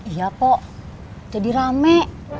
iya pak jadi rame